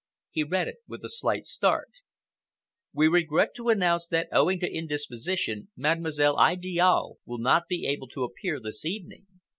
He read it with a slight start. We regret to announce that owing to indisposition Mademoiselle Idiale will not be able to appear this evening.